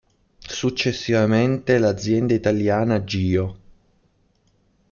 Successivamente l'azienda italiana Gio.